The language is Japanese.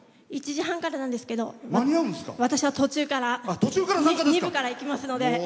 １時半からなんですけど私は途中から２部から行きますので。